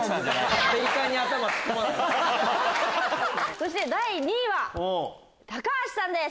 そして第２位は橋さんです。